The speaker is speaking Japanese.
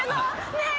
ねえ。